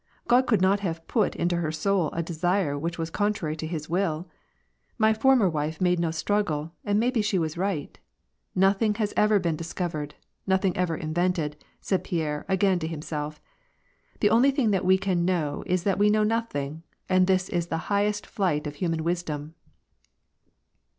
" God could not have put into her soul a desire which was contrary to his will. My former wife made no struggle, and maybe she was right. Nothing has ever been discovered, nothing ever invented," said Pierre again to himself. *^ The only thing that we can know is that we know nothing, and this is the highest flight of liuman wis dom